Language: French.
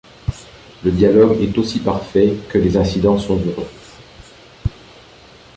Le dialogue est aussi parfait que les incidents sont heureux.